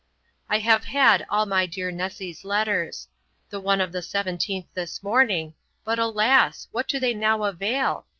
'I have had all my dear Nessy's letters; the one of the 17th this morning, but alas! what do they now avail?